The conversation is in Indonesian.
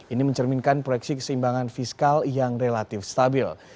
ini mencerminkan proyeksi keseimbangan fiskal yang relatif stabil